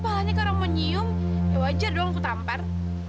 malahnya ke orang mau nyium ya wajar dong kutampar